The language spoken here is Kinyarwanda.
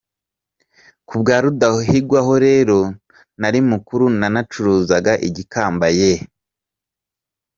Ku bwa Rudahigwa rero ho nari mukuru, nanacuruza igikamba yeee !.